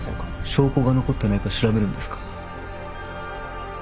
証拠が残ってないか調べるんですか？